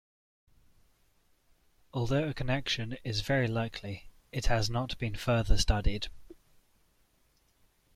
Although a connection is very likely, it has not been further studied.